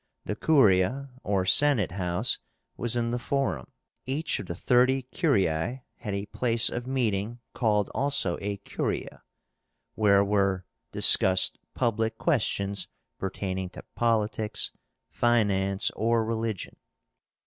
The CURIA, or Senate house, was in the Forum. Each of the thirty curiae had a place of meeting, called also a curia, where were discussed public questions pertaining to politics, finance, or religion.